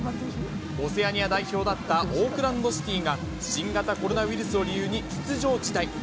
オセアニア代表だったオークランドシティが新型コロナウイルスを理由に出場辞退。